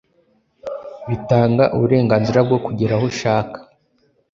bitanga uburenganzira bwo kugera aho ushaka